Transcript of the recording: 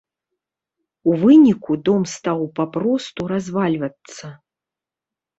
У выніку дом стаў папросту развальвацца.